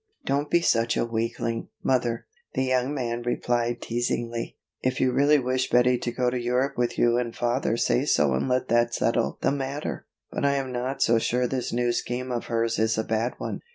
"Don't be such a weakling, mother," the young man replied teasingly. "If you really wish Betty to go to Europe with you and father say so and let that settle the matter, but I am not so sure this new scheme of hers is a bad one.